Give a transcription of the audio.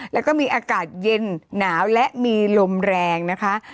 แล้วก็มีอากาศเย็นหนาวและมีลมแรงนะคะ